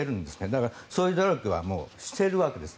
だから、そういう努力はもうしているわけです。